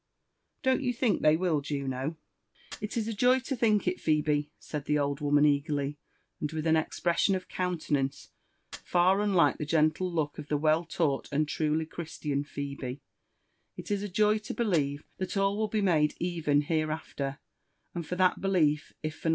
Don't you think Ihey will, Juno r <' It is a joy to think it, Phebe," said the old woman, eagerly, and with an expression of countenance far unlike the gentle look of tho well taught and truly Christian Phebe :" it is a joy to believe that all will be made even hereafter ; and for that belief, if for.